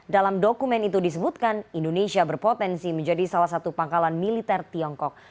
dalam dokumen itu disebutkan indonesia berpotensi menjadi salah satu pangkalan militer tiongkok